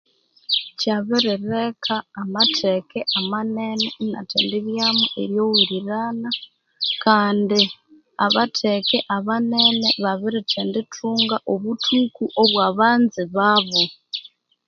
Kyaburireka amatheke amanene inathendibyamu eryowirirana Kandi abatheke abanene babirithendithunga abuthuku bwabanzibabu